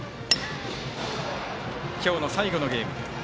今日の最後のゲーム。